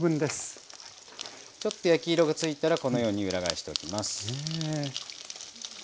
ちょっと焼き色がついたらこのように裏返しておきます。